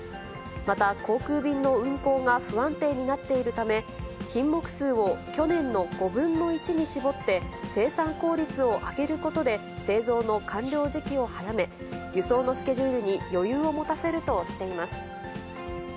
また航空便の運航が不安定になっているため、品目数を、去年の５分の１に絞って、生産効率を上げることで、製造の完了時期を早め、輸送のスケジュールに余裕を持たせるとしています。